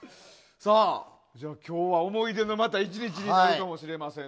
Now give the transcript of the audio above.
今日はまた思い出の１日になるかもしれません。